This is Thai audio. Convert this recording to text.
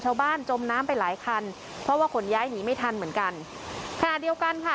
จมน้ำไปหลายคันเพราะว่าขนย้ายหนีไม่ทันเหมือนกันขณะเดียวกันค่ะ